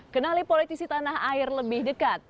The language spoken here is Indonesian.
kenali politisi tanah air lebih dekat